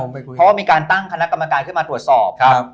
เพราะว่ามีการตั้งคณะกรรมการขึ้นมาตรวจสอบ